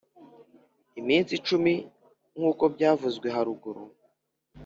iminsi cumi nkuko byavuzwe haruguru.